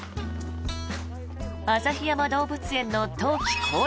旭山動物園の冬季恒例